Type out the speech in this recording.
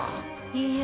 いいえ